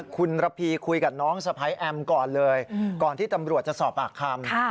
คุณระพีคุยกับน้องสะพ้ายแอมก่อนเลยก่อนที่ตำรวจจะสอบปากคำ